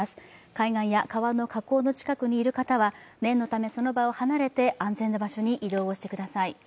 海岸や川の河口の近くにいる方は念のため、その場を離れて安全な場所に移動してください。